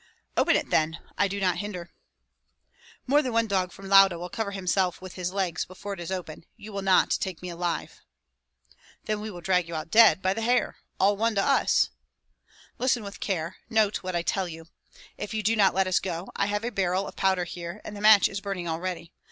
"Open it, then! I do not hinder." "More than one dog from Lauda will cover himself with his legs before it is open. You will not take me alive." "Then we will drag you out dead, by the hair. All one to us!" "Listen with care, note what I tell you! If you do not let us go, I have a barrel of powder here, and the match is burning already.